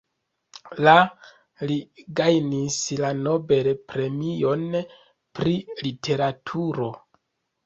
La li gajnis la Nobel-premion pri literaturo.